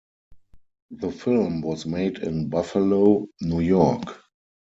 The film was made in Buffalo, New York.